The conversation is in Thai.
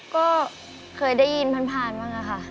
ก็เคยได้ยินผ่านบ้างค่ะ